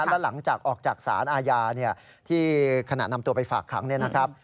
แล้วหลังจากออกจากสารอาญาที่ขณะนำตัวไปฝากขังเนี่ยนะครับ